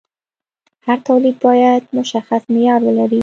هر تولید باید مشخص معیار ولري.